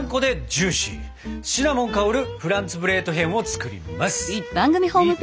シナモン香るフランツブレートヒェンを作ります！